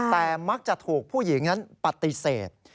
แต่มักจะถูกผู้หญิงนั้นปฏิเสธ